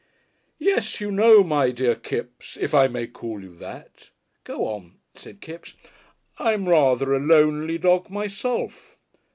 "Yes. You know, my dear Kipps if I may call you that." "Go on," said Kipps. "I'm rather a lonely dog myself.